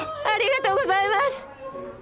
ありがとうございます！